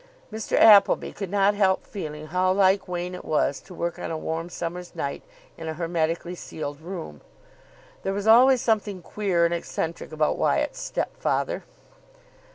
Mr. Appleby could not help feeling how like Wain it was to work on a warm summer's night in a hermetically sealed room. There was always something queer and eccentric about Wyatt's step father.